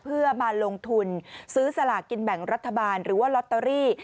เพื่อมาลงทุนซื้อสลากกินแบ่งรัฐบาลหรือว่าลอตเตอรี่